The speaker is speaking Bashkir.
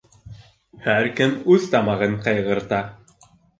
Һәр кем үҙ тамағын ҡайғырта.